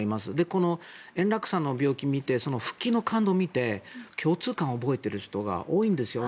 この円楽さんの病気を見て復帰の感動を見て共通感を覚えている人が多いんですよ。